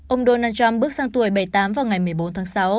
ông donald trump bước sang tuổi bảy mươi tám vào ngày một mươi bốn tháng sáu